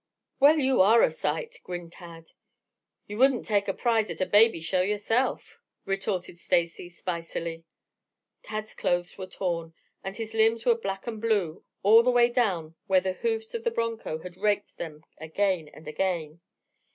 "Well you are a sight," grinned Tad. "You wouldn't take a prize at a baby show yourself," retorted Stacy, spicily. Tad's clothes were torn, and his limbs were black and blue all the way down where the hoofs of the broncho had raked them again and again.